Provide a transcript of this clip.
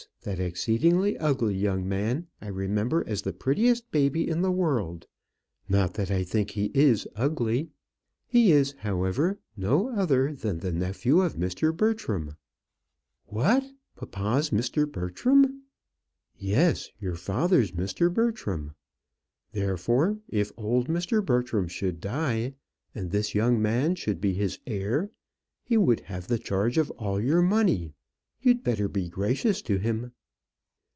That exceedingly ugly young man I remember as the prettiest baby in the world not that I think he is ugly. He is, however, no other than the nephew of Mr. Bertram." "What, papa's Mr. Bertram?" "Yes; your father's Mr. Bertram. Therefore, if old Mr. Bertram should die, and this young man should be his heir, he would have the charge of all your money. You'd better be gracious to him."